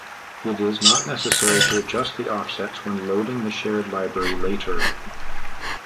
It is not necessary to adjust the offsets when loading the shared library later.